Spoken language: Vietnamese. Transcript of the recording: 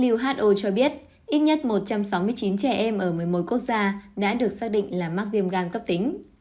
uho cho biết ít nhất một trăm sáu mươi chín trẻ em ở một mươi một quốc gia đã được xác định là mắc viêm gan cấp tính